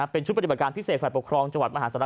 เป็นชุดปฏิบัติการพิเศษฝ่ายปกครองจังหวัดมหาศาล